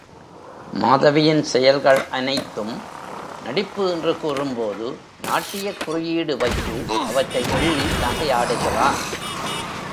மாதவியின் செயல்கள் அனைத்தும் நடிப்பு என்று கூறும்போது நாட்டியக் குறியீடு வைத்து அவற்றை எள்ளி நகையாடுகிறான்.